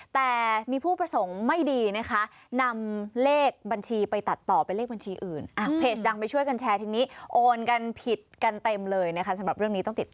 แต่มีผู้ประสงค์ไม่ดีนะคะนำเลขบัญชีไปตัดต่อเป็นเลขบัญชีอื่น